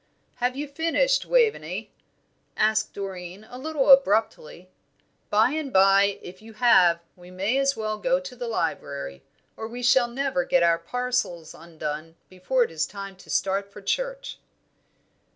"Have you finished, Waveney?" asked Doreen, a little abruptly. "By and bye, if you have, we may as well go to the library, or we shall never get our parcels undone before it is time to start for church."